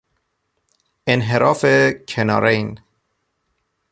انحراف کنارین